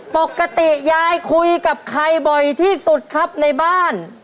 ปกติยายคุยกับใครบ่อยที่สุดครับในบ้าน